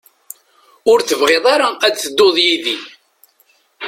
Ur tebɣiḍ ara ad tedduḍ yid-i.